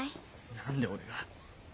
何で俺が。